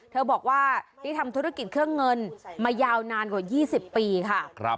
เธอบอกว่านี่ทำธุรกิจเครื่องเงินมายาวนานกว่า๒๐ปีค่ะ